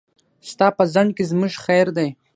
ستا په ځنډ کې زموږ خير دی.